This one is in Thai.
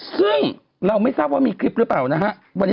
ซึ่งเราไม่ทราบว่ามีคลิปหรือเปล่านะฮะ